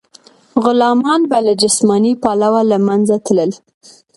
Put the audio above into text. غلامان به له جسماني پلوه له منځه تلل.